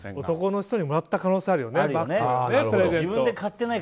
男の人にもらった可能性はあるよね。